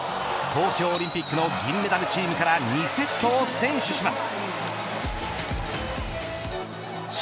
東京オリンピックの銀メダルチームから２セットを先取します。